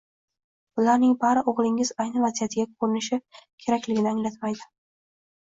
Bularning bari o‘g‘lingiz ayni vaziyatiga ko‘nishi kerakligini anglatmaydi.